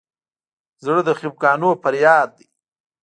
زړه د خفګانونو فریاد دی.